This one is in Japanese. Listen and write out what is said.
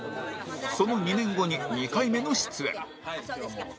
その２年後に２回目の出演